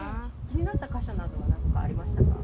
気になった箇所などは何個かありましたか？